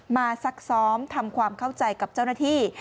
ซักซ้อมทำความเข้าใจกับเจ้าหน้าที่